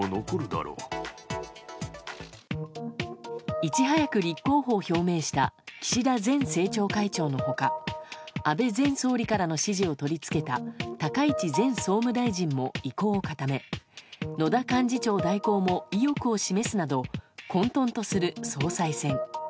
いち早く立候補を表明した岸田前政調会長の他安倍前総理からの支持を取り付けた高市前総務大臣も意向を固め、野田幹事長代行も意欲を示すなど混沌とする総裁選。